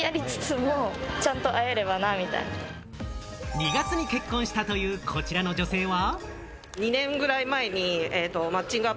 ２月に結婚したというこちらの女性は。